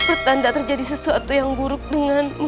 pertanda terjadi sesuatu yang buruk denganmu